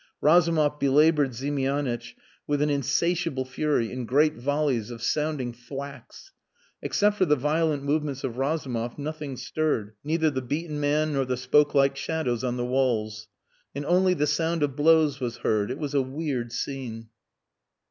Razumov belaboured Ziemianitch with an insatiable fury, in great volleys of sounding thwacks. Except for the violent movements of Razumov nothing stirred, neither the beaten man nor the spoke like shadows on the walls. And only the sound of blows was heard. It was a weird scene.